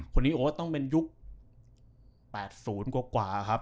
คนนี้ต้องเป็นยุค๘๐กว่าครับ